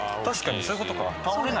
確かにそういうことか。